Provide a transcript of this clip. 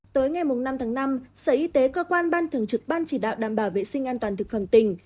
tới ngày năm tháng năm sở y tế cơ quan ban thường trực ban chỉ đạo đảm bảo vệ sinh an toàn thực phẩm tỉnh